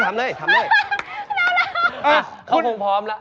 เขาคงพร้อมแล้ว